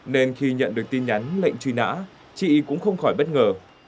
nên khi nhận được tin nhắn lệnh truy nã chị cũng không khỏi bất ngờ